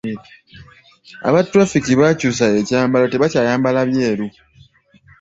Aba ttulafiki baakyusa ekyambalo, tebakyayambala byeru.